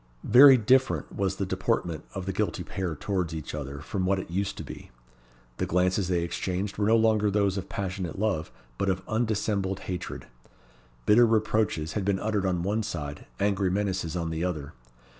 Very different was the deportment of the guilty pair towards each other from what it used to be. The glances they exchanged were no longer those of passionate love, but of undissembled hatred. Bitter reproaches had been uttered on one side, angry menaces on the other.